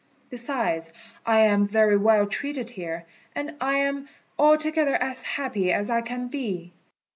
Besides, I am very well treated here, and am altogether as happy as I can be."